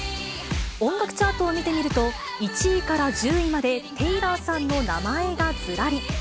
音楽チャートを見てみると、１位から１０位までテイラーさんの名前がずらり。